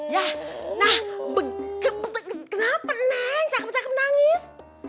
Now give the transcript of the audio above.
ya ya nah kenapa neng cakap cakap nangis